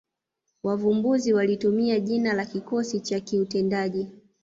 Wavumbuzi walitumia jina la kikosi cha kiutendaji